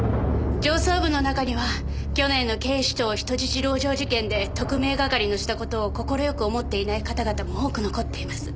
上層部の中には去年の警視庁人質籠城事件で特命係のした事を快く思っていない方々も多く残っています。